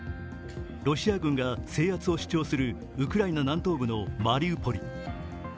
ロシア軍が制圧を主張するウクライナ南東部のマリウポリ。